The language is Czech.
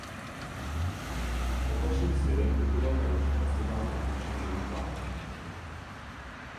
Opačným směrem putoval na roční hostování Angličan Joey Barton.